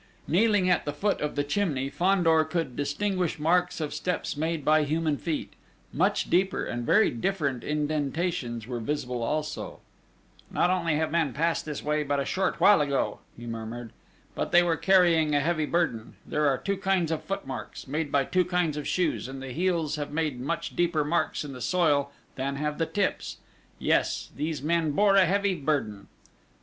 Kneeling at the foot of the chimney Fandor could distinguish marks of steps made by human feet; much deeper and very different indentations were visible also: "Not only have men passed this way but a short while ago," he murmured, "but they were carrying a heavy burden: there are two kinds of footmarks, made by two kinds of shoes, and the heels have made much deeper marks in the soil than have the tips yes, these men bore a heavy burden!"